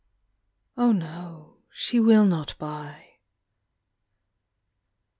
O/z, wo, she will not buy.